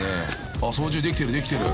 ［あっ操縦できてるできてる］